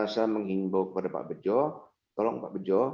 saya menghimbau kepada pak bejo tolong pak bejo